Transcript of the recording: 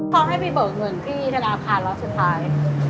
ท้องให้ไปเบิกเงินที่ทางอาคารแล้วสุดท้าย